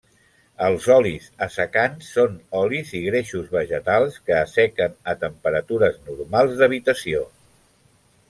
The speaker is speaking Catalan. Els olis assecants són olis i greixos vegetals que assequen a temperatures normals d'habitació.